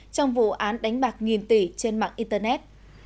trong vụ án đánh bạc nghìn tỷ trên mạng internet